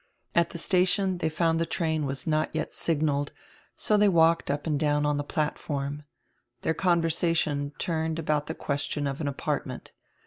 At the station diey found die train was not yet signaled, so diey walked up and down on die platform. Their conversation turned about the question of an apartment.